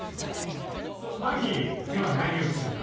マキ今日は何をつくるの？